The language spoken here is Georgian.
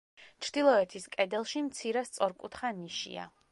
ჩრდილოეთის კედელში მცირე სწორკუთხა ნიშია.